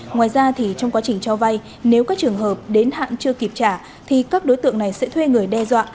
ngoài ra thì trong quá trình cho vay nếu các trường hợp đến hạn chưa kịp trả thì các đối tượng này sẽ thuê người đe dọa